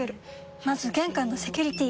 まず玄関のセキュリティ！